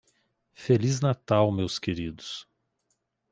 Feliz Natal meus queridos.